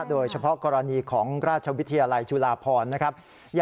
โดยเฉพาะกรณีของราชวิทยาลัยจุฬาพรนะครับ